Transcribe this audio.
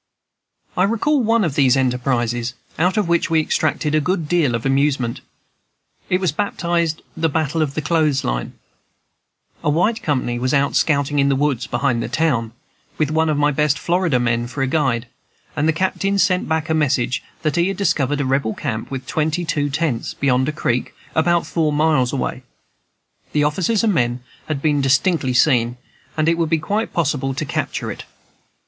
I recall one of these enterprises, out of which we extracted a good deal of amusement; it was baptized the Battle of the Clothes Lines. A white company was out scouting in the woods behind the town, with one of my best Florida men for a guide; and the captain sent back a message that he had discovered a Rebel camp with twenty two tents, beyond a creek, about four miles away; the officers and men had been distinctly seen, and it would be quite possible to capture it.